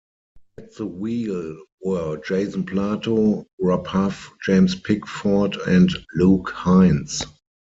At the wheel were Jason Plato, Rob Huff, James Pickford and Luke Hines.